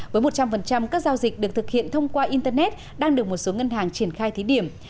với một trăm linh các giao dịch được thực hiện thông qua internet đang được một số ngân hàng triển khai thí điểm